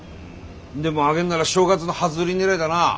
でも揚げんなら正月の初売り狙いだな。